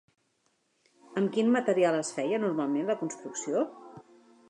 Amb quin material es feia normalment la construcció?